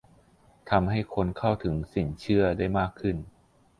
ทำให้คนเข้าถึงสินเชื่อได้มากขึ้น